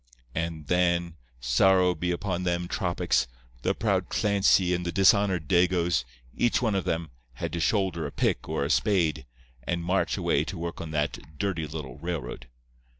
"And then—sorrow be upon them tropics—the proud Clancy and the dishonoured Dagoes, each one of them, had to shoulder a pick or a spade, and march away to work on that dirty little railroad.